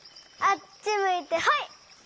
あっちむいてホイ！